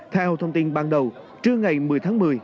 theo thông tin ban đầu trưa ngày một mươi tháng một mươi